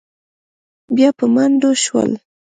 بيا په منډو شول.